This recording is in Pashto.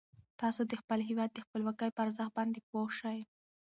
تاسو د خپل هیواد د خپلواکۍ په ارزښت باندې پوه شئ.